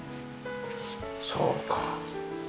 そうか。